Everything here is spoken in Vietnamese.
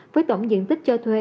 với tổng diện tích cho thuê